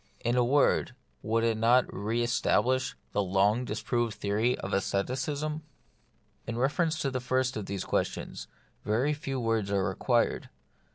In a word, would it not re establish the long disproved theory of asceticism ? In reference to the first of these questions very few words are required.